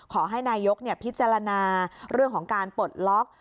ขอให้นายกพิจารณาเรื่องของการปลดล็อก